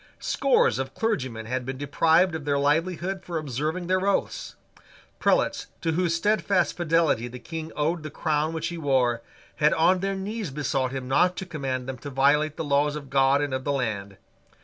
Scores of clergymen had been deprived of their livelihood for observing their oaths. Prelates, to whose steadfast fidelity the King owed the crown which he wore, had on their knees besought him not to command them to violate the laws of God and of the land.